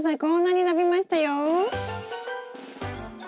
こんなに伸びましたよ。